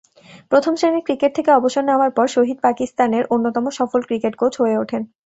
প্রথম-শ্রেণীর ক্রিকেট থেকে অবসর নেওয়ার পর, শহিদ পাকিস্তানের অন্যতম সফল ক্রিকেট কোচ হয়ে ওঠেন।